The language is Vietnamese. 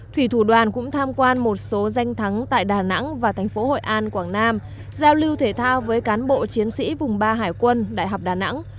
thủy thủ đoàn cũng tham quan một số danh thắng tại đà nẵng và thành phố hội an quảng nam giao lưu thể thao với cán bộ chiến sĩ vùng ba hải quân đại học đà nẵng